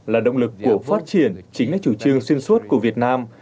là động lực của phát triển chính là chủ trương xuyên suốt của việt nam